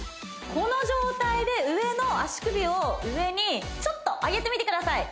この状態で上の足首を上にちょっと上げてみてください